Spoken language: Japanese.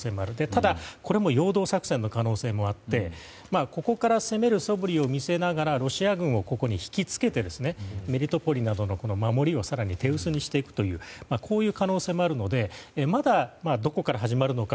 ただ、これも陽動作戦の可能性もあってここから攻めるそぶりを見せながらロシア軍をここに引きつけてメリトポリなどの守りを更に手薄にしていくというこういう可能性もあるのでまだ、どこから始まるのか